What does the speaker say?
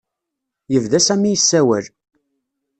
Yebda Sami yessawal.